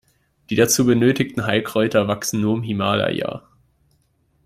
Die dazu benötigten Heilkräuter wachsen nur im Himalaja.